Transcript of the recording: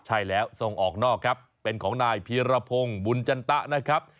ใช่แล้วส่งออกนอกครับเป็นของนายพีรพงศ์บุญจันตะนะครับ